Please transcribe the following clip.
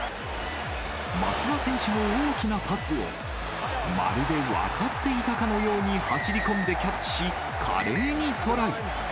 松田選手の大きなパスをまるで分っていたかのように走り込んでキャッチし、華麗にトライ。